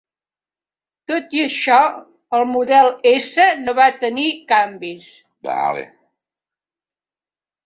Tot i això, el model S no va tenir canvis.